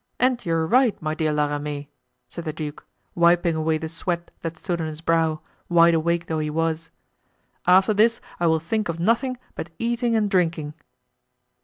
"And you are right, my dear La Ramee," said the duke, wiping away the sweat that stood on his brow, wide awake though he was; "after this I will think of nothing but eating and drinking."